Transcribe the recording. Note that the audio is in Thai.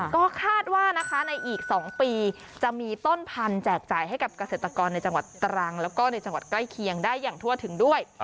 ก็คาดว่านะคะในอีก๒ปีจะมีต้นพันธุ์แจกจ่ายให้กับเกษตรกรในจังหวัดตรังแล้วก็ในจังหวัดใกล้เคียงได้อย่างทั่วถึงด้วย